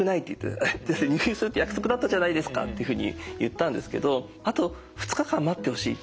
「入院するって約束だったじゃないですか」っていうふうに言ったんですけど「あと２日間待ってほしい」って。